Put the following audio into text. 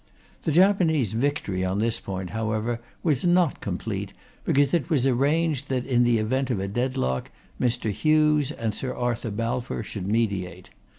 The Japanese victory on this point, however, was not complete, because it was arranged that, in the event of a deadlock, Mr. Hughes and Sir Arthur Balfour should mediate.